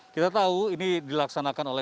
kita tahu ini dilaksanakan oleh